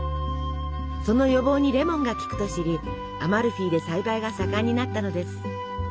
その予防にレモンが効くと知りアマルフィで栽培が盛んになったのです。